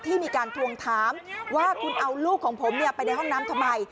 ที่มีการทวงถามว่าคุณเอาลูกของผมไปในห้องน้ำทำไม